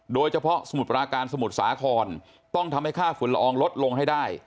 โดยเฉพาะสมุดปราการสมุดสาขรต้องทำให้ค่าฝุ่นละอองลดลงให้ได้